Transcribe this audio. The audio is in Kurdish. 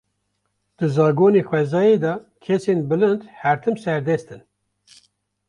Di zagonê xwezayê de kesên bilind her tim serdest in.